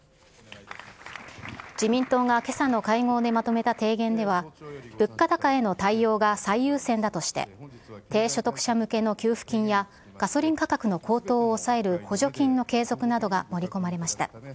自民党がけさの会合でまとめた提言では、物価高への対応が最優先だとして、低所得者向けの給付金や、ガソリン価格の高騰を抑える補助金の継続などが盛り込まれました。